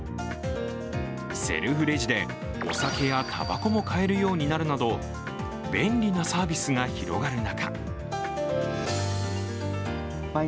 セルフレジでお酒やたばこも買えるようになるなど便利なサービスが広がる中え？